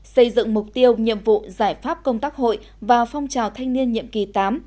xây dựng mục tiêu nhiệm vụ giải pháp công tác hội vào phong trào thanh niên nhiệm kỳ tám